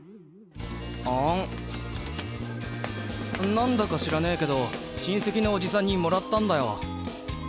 なんだか知らねえけど親戚のおじさんに貰ったんだよ。